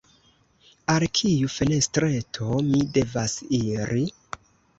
Al kiu fenestreto mi devas iri?